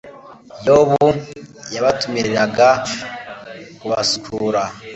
yobu yabatumiriraga kubasukura